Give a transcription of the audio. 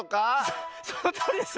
そのとおりです。